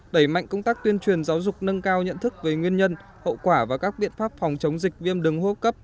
đẩy mạnh công tác tuyên truyền giáo dục nâng cao nhận thức về nguyên nhân hậu quả và các biện pháp phòng chống dịch viêm đường hô cấp